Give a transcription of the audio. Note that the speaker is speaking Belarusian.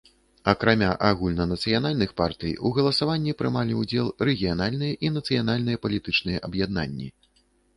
Акрамя агульнанацыянальных партый, у галасаванні прымалі ўдзел рэгіянальныя і нацыянальныя палітычныя аб'яднанні.